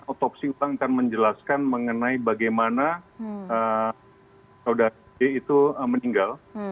otopsi ulang kan menjelaskan mengenai bagaimana saudari itu meninggal